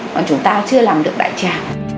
mà chúng ta chưa làm được đại trả